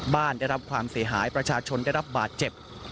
ได้รับความเสียหายประชาชนได้รับบาดเจ็บ